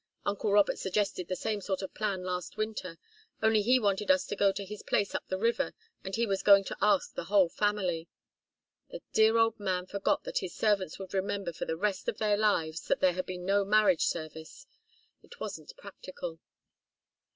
Uncle Robert suggested the same sort of plan last winter; only he wanted us to go to his place up the river, and he was going to ask the whole family. The dear old man forgot that his servants would remember for the rest of their lives that there had been no marriage service. It wasn't practical."